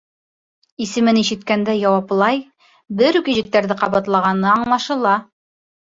Исемен ишеткәндә яуаплай, бер үк ижектәрҙе ҡабатлағаны аңлашыла.